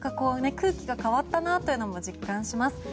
空気が変わったなというのも実感します。